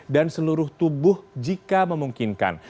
dan seluruh tubuh jika memungkinkan